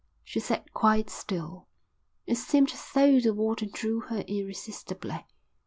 She sat quite still. It seemed as though the water drew her irresistibly.